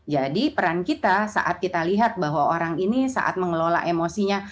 jadi peran kita saat kita lihat bahwa orang ini saat mengelola emosinya